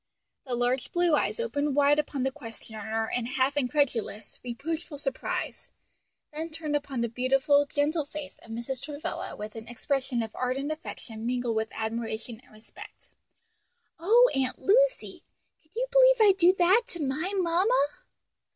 The large blue eyes opened wide upon the questioner in half incredulous, reproachful surprise, then turned upon the beautiful, gentle face of Mrs. Travilla with an expression of ardent affection mingled with admiration and respect. "O Aunt Lucy! could you b'lieve I'd do that to my mamma?"